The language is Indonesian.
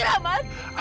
lupa sama amir mas